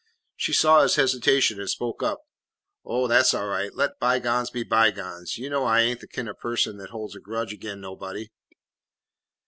She saw his hesitation and spoke up. "Oh, that 's all right. Let by gones be by gones. You know I ain't the kin' o' person that holds a grudge ag'in anybody."